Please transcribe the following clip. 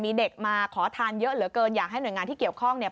มีเด็กมาขอทานเยอะเหลือเกินอยากให้หน่วยงานที่เกี่ยวข้องเนี่ย